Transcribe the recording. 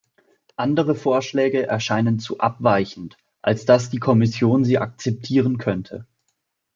Andere Vorschläge erscheinen zu abweichend, als dass die Kommission sie akzeptieren könnte.